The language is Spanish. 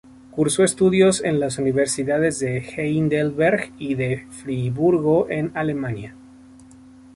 Cursó estudios en las universidades de Heidelberg y de Friburgo en Alemania.